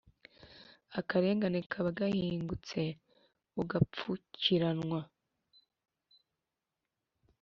akarengane kaba gahingutse, ugapfukiranwa.